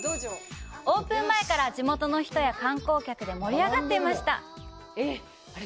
オープン前から、地元の人や観光客で盛り上がっていました。